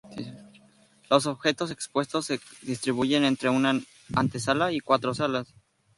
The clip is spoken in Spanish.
Los objetos expuestos se distribuyen entre una antesala y cuatro salas.